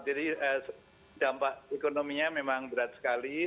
dampak ekonominya memang berat sekali